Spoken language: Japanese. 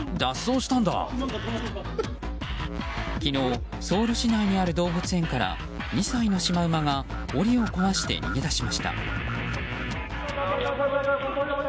昨日、ソウル市内にある動物園から２歳のシマウマが檻を壊して逃げ出しました。